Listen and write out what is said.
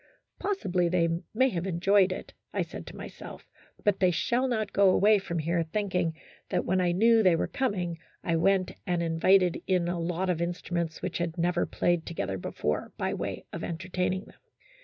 Possibly they may have enjoyed it, I said to myself, but they shall not go away from here thinking that when I knew they were coining I went and invited in a lot of instruments which had never THE HISTORY OF A HAPPY THOUGHT. 21 5 played together before, by way of entertaining them.